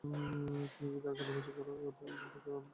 তিনি যদি আগে নির্বাচন করার কথা বলতেন, তবে আমি প্রার্থী হতাম না।